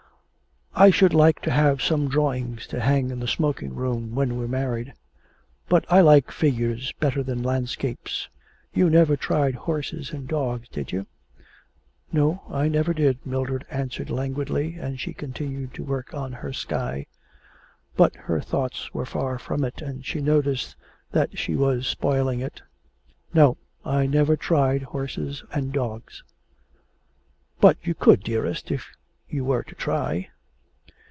'I should like to have some drawings to hang in the smoking room when we're married. But I like figures better than landscapes. You never tried horses and dogs, did you?' 'No, I never did,' Mildred answered languidly, and she continued to work on her sky. But her thoughts were far from it, and she noticed that she was spoiling it. 'No, I never tried horses and dogs.' 'But you could, dearest, if you were to try.